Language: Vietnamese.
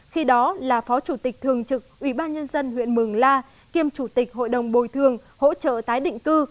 khi đó là phó chủ tịch thường trực ubnd huyện mường la kiêm chủ tịch hội đồng bồi thường hỗ trợ tái định cư